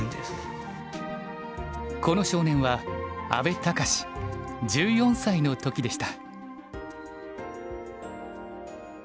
この少年は阿部隆１４歳の時でした。